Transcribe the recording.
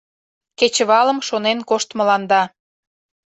Кечывалым шонен коштмыланда.